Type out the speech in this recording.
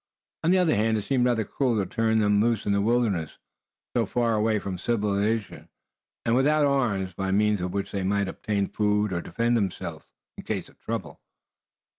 On the other hand, it seemed rather cruel to turn them loose in the wilderness, so far away from civilization, and without arms, by means of which they might obtain food, or defend themselves in case of trouble.